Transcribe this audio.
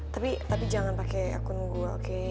tapi jangan pakai akun gue